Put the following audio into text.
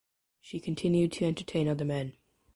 She continued to entertain other men.